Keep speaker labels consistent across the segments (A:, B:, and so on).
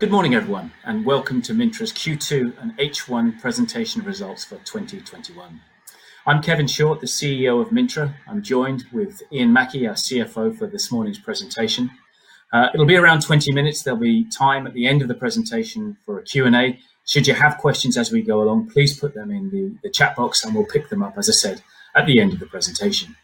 A: Good morning, everyone, and welcome to Mintra's Q2 and H1 presentation results for 2021. I'm Kevin Short, the CEO of Mintra. I'm joined with Ian Mackie, our CFO, for this morning's presentation. It'll be around 20 minutes. There'll be time at the end of the presentation for a Q&A. Should you have questions as we go along, please put them in the chat box and we'll pick them up, as I said, at the end of the presentation.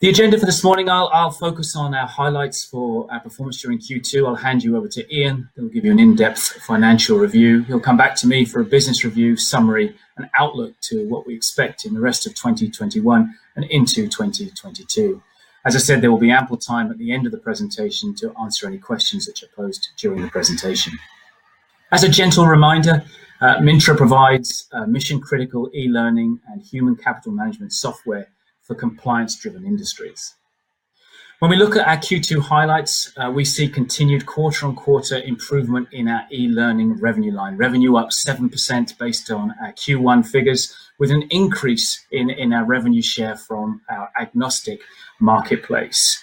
A: The agenda for this morning, I'll focus on our highlights for our performance during Q2. I'll hand you over to Ian, who'll give you an in-depth financial review. He'll come back to me for a business review summary and outlook to what we expect in the rest of 2021 and into 2022. As I said, there will be ample time at the end of the presentation to answer any questions which are posed during the presentation. As a gentle reminder, Mintra provides mission-critical eLearning and human capital management software for compliance-driven industries. When we look at our Q2 highlights, we see continued quarter-on-quarter improvement in our eLearning revenue line. Revenue up 7% based on our Q1 figures, with an increase in our revenue share from our agnostic marketplace.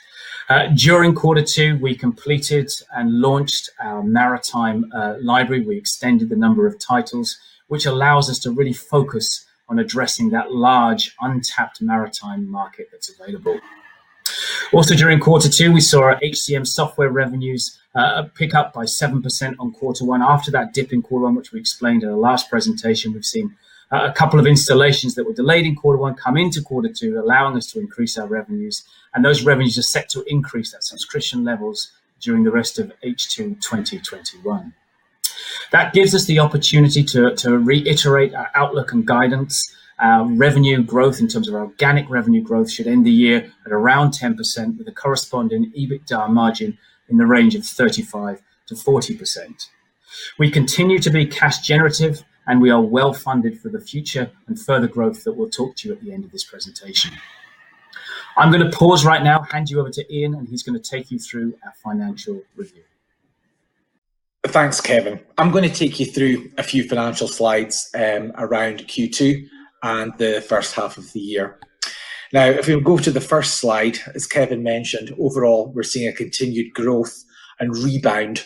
A: During quarter two, we completed and launched our maritime library. We extended the number of titles, which allows us to really focus on addressing that large, untapped maritime market that's available. Also during quarter two, we saw our HCM software revenues pick up by 7% on quarter one after that dip in quarter one, which we explained in our last presentation. We've seen a couple of installations that were delayed in quarter one come into quarter two, allowing us to increase our revenues, and those revenues are set to increase at subscription levels during the rest of H2 2021. That gives us the opportunity to reiterate our outlook and guidance. Our revenue growth in terms of our organic revenue growth should end the year at around 10%, with a corresponding EBITDA margin in the range of 35%-40%. We continue to be cash generative, and we are well-funded for the future and further growth that we'll talk to you at the end of this presentation. I'm going to pause right now, hand you over to Ian, and he's going to take you through our financial review.
B: Thanks, Kevin. I'm going to take you through a few financial slides around Q2 and the first half of the year. If we go to the first slide, as Kevin mentioned, overall, we're seeing a continued growth and rebound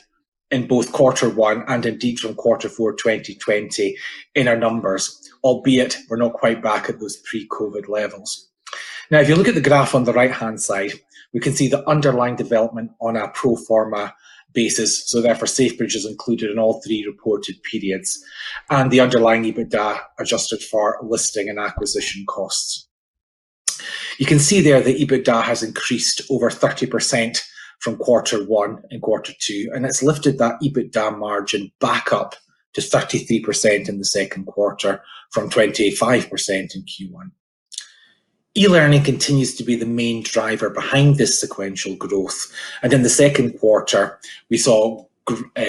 B: in both quarter one and indeed from quarter four 2020 in our numbers, albeit we're not quite back at those pre-COVID-19 levels. If you look at the graph on the right-hand side, we can see the underlying development on a pro forma basis, so therefore Safebridge is included in all three reported periods and the underlying EBITDA adjusted for listing and acquisition costs. You can see there the EBITDA has increased over 30% from quarter one and quarter two, and it's lifted that EBITDA margin back up to 33% in the second quarter from 25% in Q1. eLearning continues to be the main driver behind this sequential growth, and in the second quarter we saw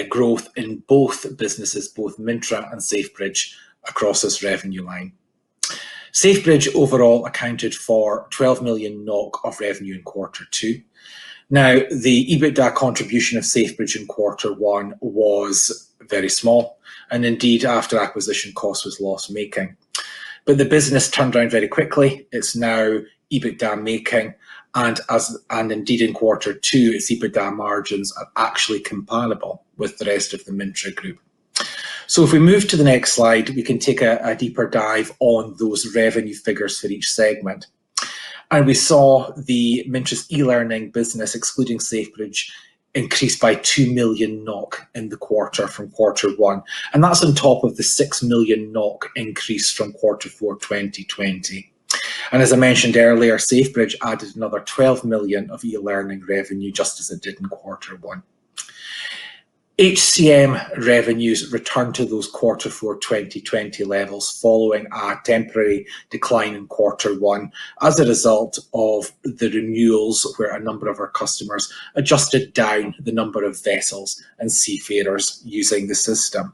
B: growth in both businesses, both Mintra and Safebridge across this revenue line. Safebridge overall accounted for 12 million NOK of revenue in quarter two. The EBITDA contribution of Safebridge in quarter one was very small, and indeed, after acquisition cost was loss-making. The business turned around very quickly. It's now EBITDA-making, and indeed in quarter two, its EBITDA margins are actually comparable with the rest of the Mintra group. If we move to the next slide, we can take a deeper dive on those revenue figures for each segment. We saw the Mintra's eLearning business, excluding Safebridge, increase by 2 million NOK in the quarter from quarter one, and that's on top of the 6 million NOK increase from quarter four 2020. As I mentioned earlier, Safebridge added another 12 million of eLearning revenue, just as it did in quarter one. HCM revenues returned to those quarter four 2020 levels following a temporary decline in quarter one as a result of the renewals where a number of our customers adjusted down the number of vessels and seafarers using the system.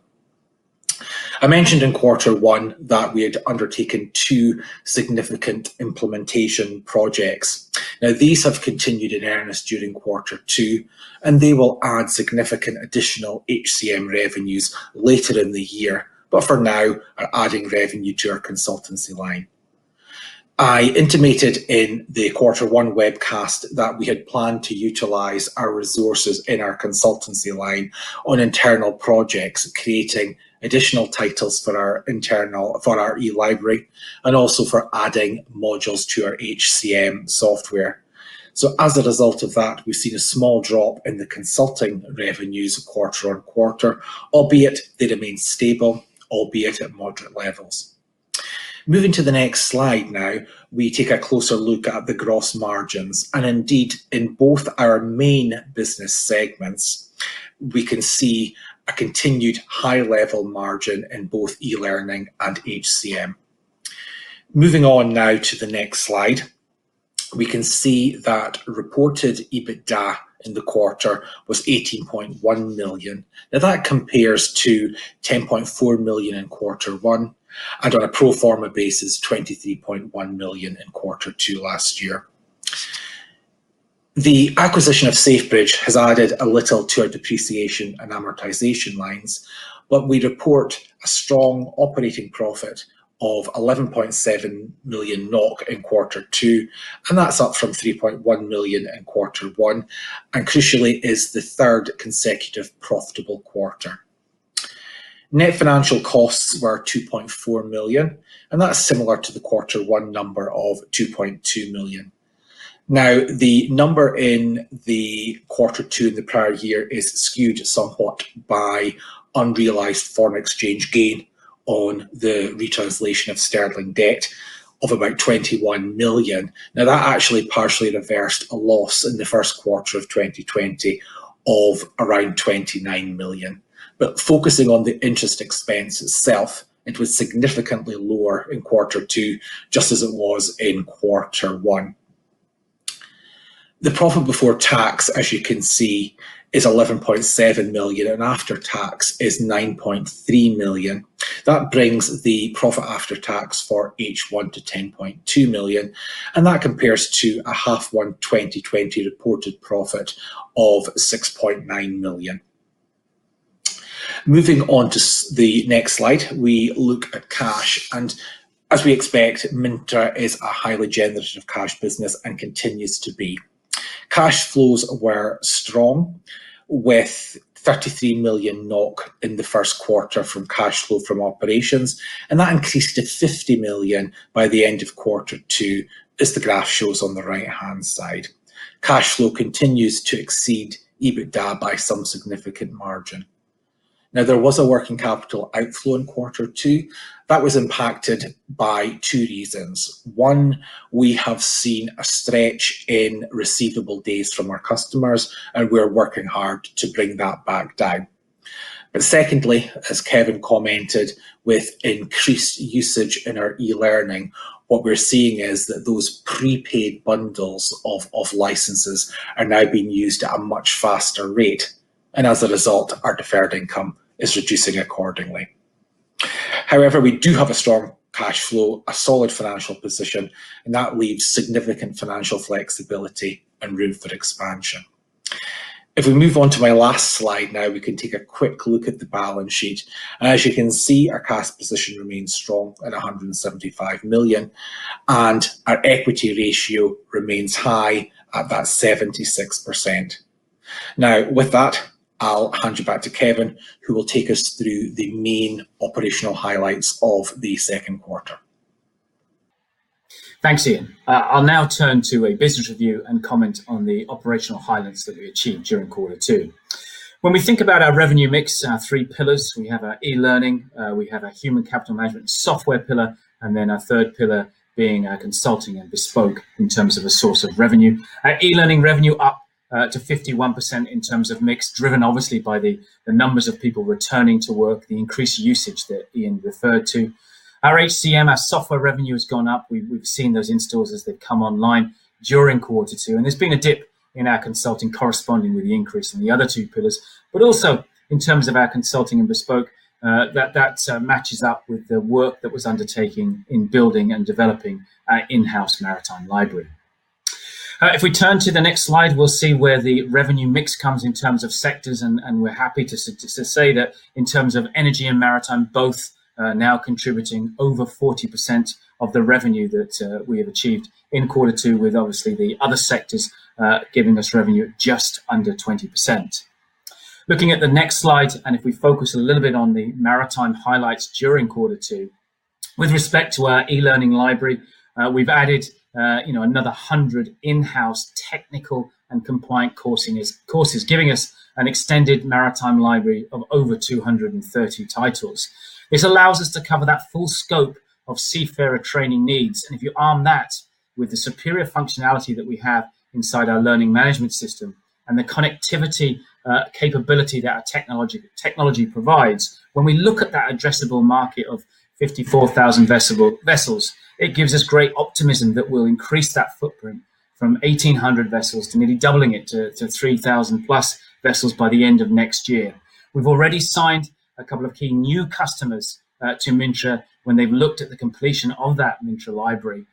B: I mentioned in quarter one that we had undertaken two significant implementation projects. Now, these have continued in earnest during quarter two, and they will add significant additional HCM revenues later in the year, but for now are adding revenue to our consultancy line. I intimated in the quarter one webcast that we had planned to utilize our resources in our consultancy line on internal projects, creating additional titles for our eLibrary, and also for adding modules to our HCM software. As a result of that, we've seen a small drop in the consulting revenues quarter-on-quarter, albeit they remain stable, albeit at moderate levels. Moving to the next slide now, we take a closer look at the gross margins. Indeed, in both our main business segments, we can see a continued high level margin in both eLearning and HCM. Moving on now to the next slide. We can see that reported EBITDA in the quarter was 18.1 million. Now that compares to 10.4 million in quarter one, and on a pro forma basis, 23.1 million in quarter two last year. The acquisition of Safebridge has added a little to our depreciation and amortization lines, but we report a strong operating profit of 11.7 million NOK in quarter two, and that's up from 3.1 million in quarter one, and crucially, is the third consecutive profitable quarter. Net financial costs were 2.4 million, and that's similar to the quarter one number of 2.2 million. Now, the number in the quarter two in the prior year is skewed somewhat by unrealized foreign exchange gain on the retranslation of sterling debt of about 21 million. Now, that actually partially reversed a loss in the first quarter of 2020 of around 29 million. But focusing on the interest expense itself, it was significantly lower in quarter two, just as it was in quarter one. The profit before tax, as you can see, is 11.7 million, and after tax is 9.3 million. That brings the profit after tax for H1 to 10.2 million. That compares to a H1 2020 reported profit of 6.9 million. Moving on to the next slide, we look at cash. As we expect, Mintra is a highly generative cash business and continues to be. Cash flows were strong, with 33 million NOK in the first quarter from cash flow from operations. That increased to 50 million by the end of quarter two, as the graph shows on the right-hand side. Cash flow continues to exceed EBITDA by some significant margin. There was a working capital outflow in quarter two. That was impacted by two reasons. One, we have seen a stretch in receivable days from our customers. We're working hard to bring that back down. Secondly, as Kevin commented, with increased usage in our eLearning, what we're seeing is that those prepaid bundles of licenses are now being used at a much faster rate, and as a result, our deferred income is reducing accordingly. However, we do have a strong cash flow, a solid financial position, and that leaves significant financial flexibility and room for expansion. If we move on to my last slide now, we can take a quick look at the balance sheet. As you can see, our cash position remains strong at 175 million, and our equity ratio remains high at that 76%. With that, I'll hand you back to Kevin, who will take us through the main operational highlights of the second quarter.
A: Thanks, Ian. I'll now turn to a business review and comment on the operational highlights that we achieved during quarter two. When we think about our revenue mix, our three pillars, we have our eLearning, we have our Human Capital Management software pillar, and then our third pillar being our consulting and bespoke in terms of a source of revenue. Our eLearning revenue up to 51% in terms of mix, driven obviously by the numbers of people returning to work, the increased usage that Ian referred to. Our HCM, our software revenue has gone up. We've seen those installs as they've come online during quarter two, and there's been a dip in our consulting corresponding with the increase in the other two pillars. Also in terms of our consulting and bespoke, that matches up with the work that was undertaken in building and developing our in-house maritime library. If we turn to the next slide, we'll see where the revenue mix comes in terms of sectors, and we're happy to say that in terms of energy and maritime, both now contributing over 40% of the revenue that we have achieved in quarter two, with obviously the other sectors giving us revenue at just under 20%. Looking at the next slide, and if we focus a little bit on the maritime highlights during quarter two, with respect to our eLibrary, we've added another 100 in-house technical and compliant courses, giving us an extended maritime library of over 230 titles. This allows us to cover that full scope of seafarer training needs. If you arm that with the superior functionality that we have inside our learning management system and the connectivity capability that our technology provides, when we look at that addressable market of 54,000 vessels, it gives us great optimism that we'll increase that footprint from 1,800 vessels to nearly doubling it to 3,000-plus vessels by the end of next year. We've already signed a couple of key new customers to Mintra when they've looked at the completion of that Mintra library.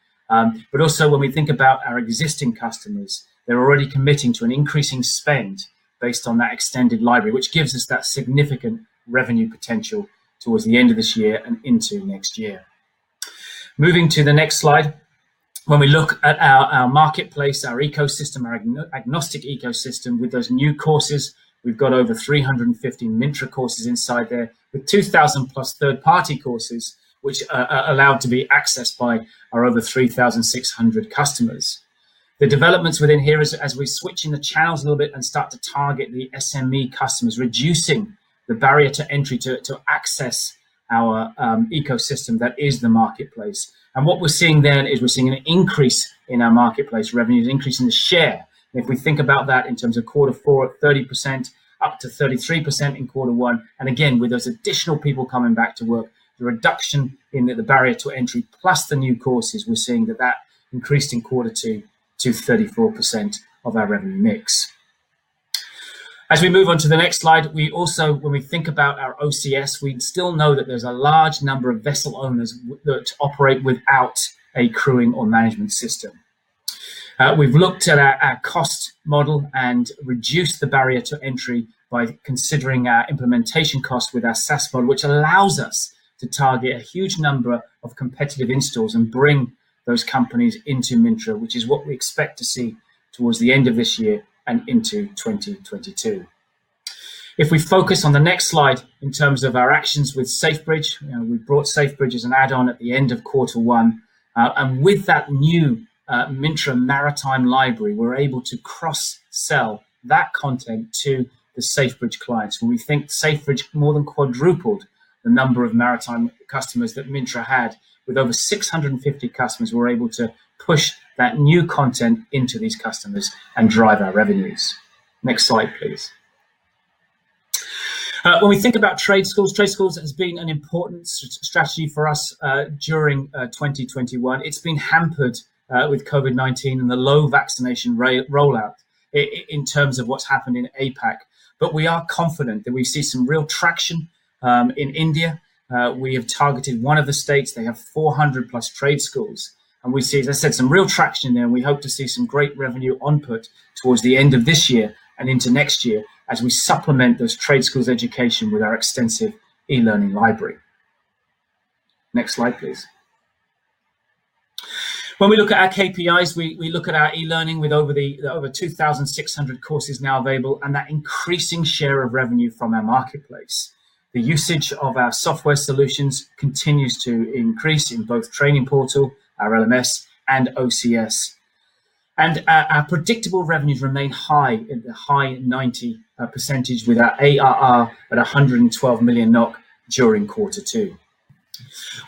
A: Also, when we think about our existing customers, they're already committing to an increasing spend based on that extended library, which gives us that significant revenue potential towards the end of this year and into next year. Moving to the next slide. When we look at our marketplace, our ecosystem, our agnostic ecosystem with those new courses, we've got over 350 Mintra courses inside there, with 2,000-plus third-party courses which are allowed to be accessed by our over 3,600 customers. The developments within here as we switch in the channels a little bit and start to target the SME customers, reducing the barrier to entry to access our ecosystem that is the marketplace. What we're seeing then is we're seeing an increase in our marketplace revenues, increase in the share. If we think about that in terms of quarter four at 30%, up to 33% in quarter one. Again, with those additional people coming back to work, the reduction in the barrier to entry, plus the new courses, we're seeing that increased in quarter two to 34% of our revenue mix. As we move on to the next slide, we also, when we think about our OCS, we still know that there's a large number of vessel owners that operate without a crewing or management system. We've looked at our cost model and reduced the barrier to entry by considering our implementation cost with our SaaS model, which allows us to target a huge number of competitive installs and bring those companies into Mintra, which is what we expect to see towards the end of this year and into 2022. If we focus on the next slide in terms of our actions with Safebridge, we brought Safebridge as an add-on at the end of quarter one. With that new Mintra maritime library, we're able to cross-sell that content to the Safebridge clients. When we think Safebridge more than quadrupled the number of maritime customers that Mintra had. With over 650 customers, we're able to push that new content into these customers and drive our revenues. Next slide, please. When we think about trade schools, trade schools has been an important strategy for us, during 2021. It's been hampered with COVID-19 and the low vaccination rollout in terms of what's happened in APAC. We are confident that we see some real traction in India. We have targeted one of the states. They have 400-plus trade schools, and we see, as I said, some real traction there, and we hope to see some great revenue on put towards the end of this year and into next year as we supplement those trade schools' education with our extensive eLibrary. Next slide, please. When we look at our KPIs, we look at our eLearning with over 2,600 courses now available and that increasing share of revenue from our marketplace. The usage of our software solutions continues to increase in both Trainingportal, our LMS, and OCS. Our predictable revenues remain high in the high 90% with our ARR at 112 million NOK during quarter two.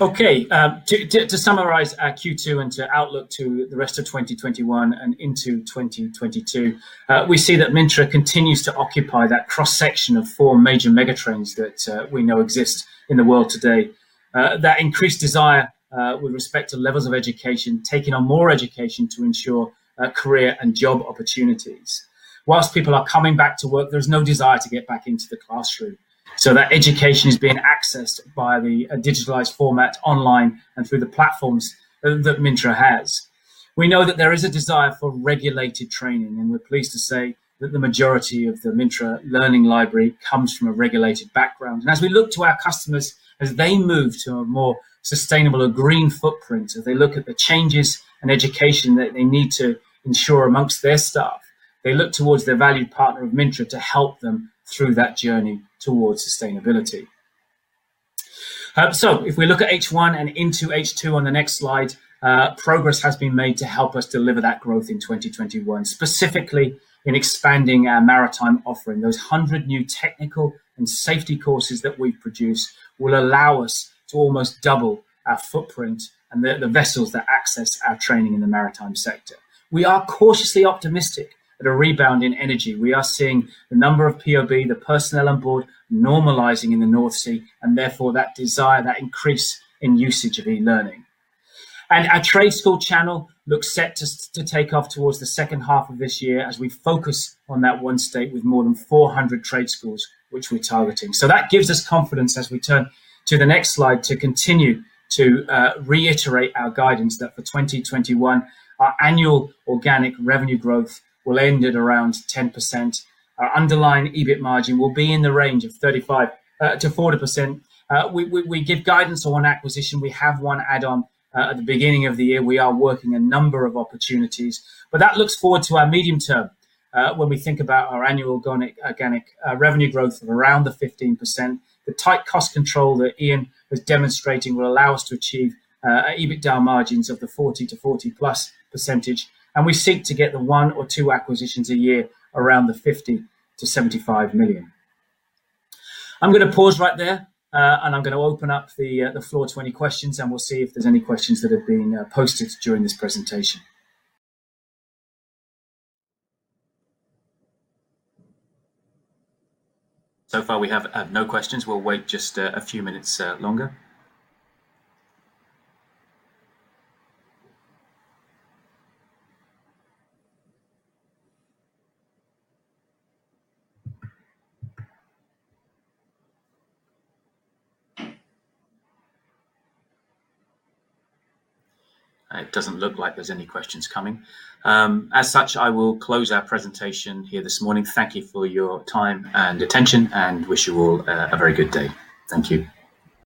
A: Okay. To summarize our Q2 and to outlook to the rest of 2021 and into 2022, we see that Mintra continues to occupy that cross-section of four major megatrends that we know exist in the world today. That increased desire, with respect to levels of education, taking on more education to ensure career and job opportunities. While people are coming back to work, there's no desire to get back into the classroom, so that education is being accessed by the digitalized format online and through the platforms that Mintra has. We know that there is a desire for regulated training, and we're pleased to say that the majority of the Mintra learning library comes from a regulated background. As we look to our customers, as they move to a more sustainable or green footprint, as they look at the changes in education that they need to ensure amongst their staff, they look towards their valued partner of Mintra to help them through that journey towards sustainability. If we look at H1 and into H2 on the next slide, progress has been made to help us deliver that growth in 2021, specifically in expanding our maritime offering. Those 100 new technical and safety courses that we produce will allow us to almost double our footprint and the vessels that access our training in the maritime sector. We are cautiously optimistic at a rebound in energy. We are seeing the number of POB, the personnel on board, normalizing in the North Sea, and therefore that desire, that increase in usage of eLearning. Our trade school channel looks set to take off towards the second half of this year as we focus on that one state with more than 400 trade schools, which we're targeting. That gives us confidence as we turn to the next slide to continue to reiterate our guidance that for 2021, our annual organic revenue growth will end at around 10%. Our underlying EBIT margin will be in the range of 35%-40%. We give guidance on acquisition. We have one add-on at the beginning of the year. We are working a number of opportunities. That looks forward to our medium term, when we think about our annual organic revenue growth of around the 15%. The tight cost control that Ian was demonstrating will allow us to achieve EBITDA margins of the 40%-40-plus%. We seek to get the one or two acquisitions a year around 50 million-75 million. I'm going to pause right there, and I'm going to open up the floor to any questions, and we'll see if there's any questions that have been posted during this presentation. So far, we have no questions. We'll wait just a few minutes longer. It doesn't look like there's any questions coming. As such, I will close our presentation here this morning. Thank you for your time and attention, and wish you all a very good day. Thank you.